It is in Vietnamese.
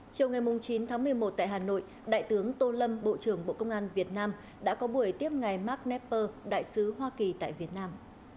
chiều ngày chín tháng một mươi một tại hà nội đại tướng tô lâm bộ trưởng bộ công an việt nam đã có buổi tiếp ngài mark nesper đại sứ hoa kỳ tại việt nam